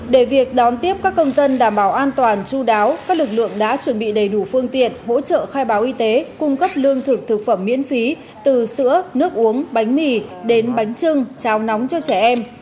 để việc đón tiếp các công dân đảm bảo an toàn chú đáo các lực lượng đã chuẩn bị đầy đủ phương tiện hỗ trợ khai báo y tế cung cấp lương thực thực phẩm miễn phí từ sữa nước uống bánh mì đến bánh trưng trao nóng cho trẻ em